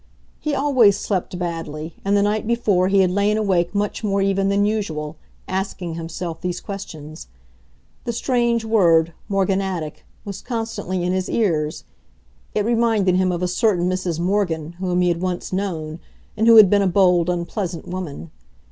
He always slept badly, and the night before he had lain awake much more even than usual, asking himself these questions. The strange word "morganatic" was constantly in his ears; it reminded him of a certain Mrs. Morgan whom he had once known and who had been a bold, unpleasant woman.